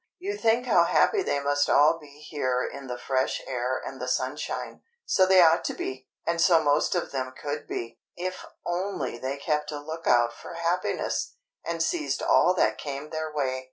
You think how happy they must all be here in the fresh air and the sunshine. So they ought to be, and so most of them could be, if only they kept a look out for happiness, and seized all that came their way.